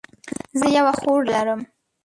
زه یوه خور لرم